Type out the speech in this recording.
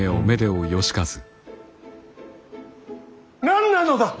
何なのだ！